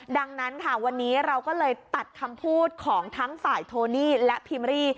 ดังนั้นค่ะวันนี้เราก็เลยตัดคำพูดของทั้งฝ่ายโทนี่และพิมรี่